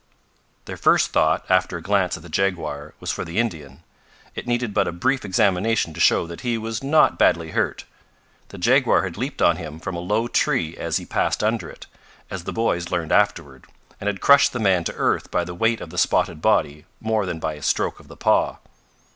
Their first thought, after a glance at the jaguar, was for the Indian. It needed but a brief examination to show that he was not badly hurt. The jaguar had leaped on him from a low tree as he passed under it, as the boys learned afterward, and had crushed the man to earth by the weight of the spotted body more than by a stroke of the paw.